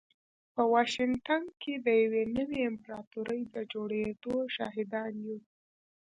په واشنګټن کې د يوې نوې امپراتورۍ د جوړېدو شاهدان يو.